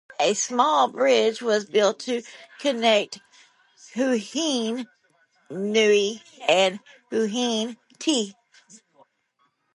A small bridge was built to connect Huahine Nui and Huahine Iti.